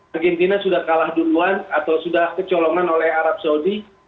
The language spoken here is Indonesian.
argentina sudah kalah duluan atau sudah kecolongan oleh arab saudi